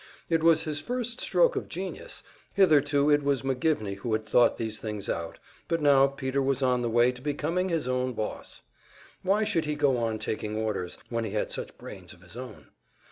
It was his first stroke of genius; hitherto it was McGivney who had thought these things out, but now Peter was on the way to becoming his own boss! Why should he go on taking orders, when he had such brains of his own?